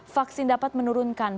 vaksin dapat menurunkan